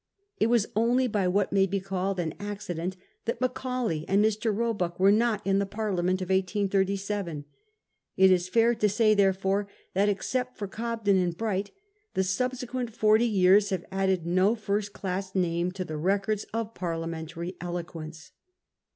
It was only by what may be called an accident that Macaulay and Mr. Roebuck were not in the Parliament of 1887. It is fair to say, therefore, that, except for Cobden and Bright, the subsequent forty years have added no first class name to the records of Parliamentary eloquence.